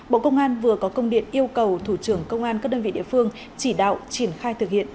bộ công an vừa có công điện yêu cầu thủ trưởng công an các đơn vị địa phương chỉ đạo triển khai thực hiện